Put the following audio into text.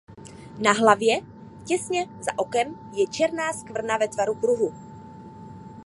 Na hlavě těsně za okem je černá skvrna ve tvaru kruhu.